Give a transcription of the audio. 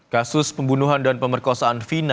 kasus pembunuhan dan pemerkosaan vina